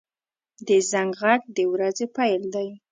• د زنګ غږ د ورځې پیل دی.